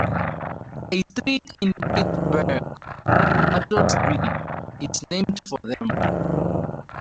A street in Pittsburgh, Butler Street, is named for them.